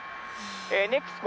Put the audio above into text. ＮＥＸＣＯ